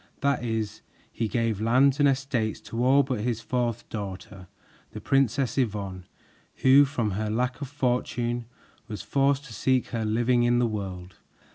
That is, he gave lands and estates to all but his fourth daughter, the Princess Yvonne, who from her lack of fortune was forced to seek her living in the world.